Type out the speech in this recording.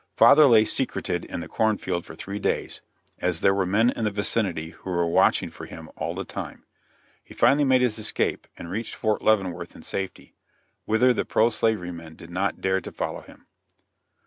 Father lay secreted in the corn field for three days, as there were men in the vicinity who were watching for him all the time; he finally made his escape, and reached Fort Leavenworth in safety, whither the pro slavery men did not dare to follow him.